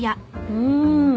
うん！